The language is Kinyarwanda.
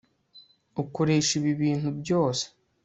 Ukoresha ibi bintu byose